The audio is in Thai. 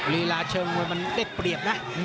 รีลาเชิงมันเร็ดเปรียบนะ